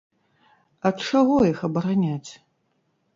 Ад чаго іх абараняць?